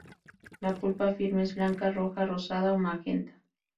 La pulpa firme es blanca, roja, rosada o magenta.